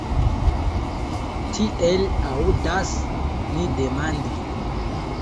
Tiel aŭdas ni demandi.